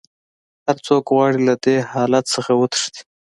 هر څوک غواړي له دې حالت نه وتښتي.